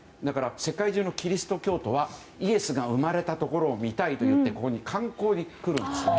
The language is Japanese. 世界中のキリスト教徒はイエスが生まれたところを見たいといってここに観光に来るんです。